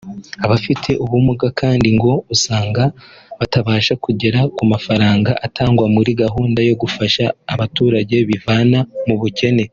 Abafite ubumuga kandi ngo usanga batabasha kugera ku mafaranga atangwa muri gahunda yo gufasha abaturage kwivana mu bukene